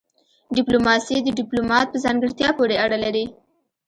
ډيپلوماسي د ډيپلومات په ځانګړتيا پوري اړه لري.